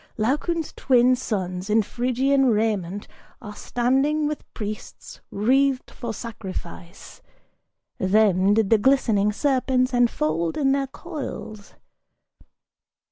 Laocoon's twin sons in Phrygian raiment are standing With priests wreathed for sacrifice. Them did the glistening serpents Enfold in their coils!